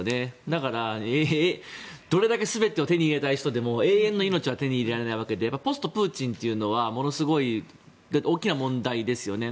だから、どれだけ全てを手に入れたい人でも永遠の命は手に入れられないわけでポストプーチンというのはものすごい大きな問題ですよね。